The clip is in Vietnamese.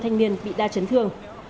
năm thanh niên bị đa chấn thương